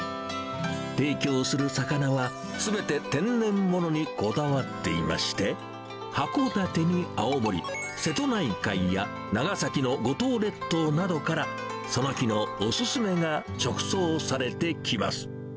提供する魚は、すべて天然物にこだわっていまして、函館に青森、瀬戸内海や長崎の五島列島などから、その日のお勧めが直送されてきます。